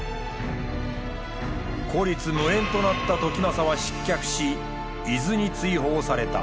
孤立無援となった時政は失脚し伊豆に追放された。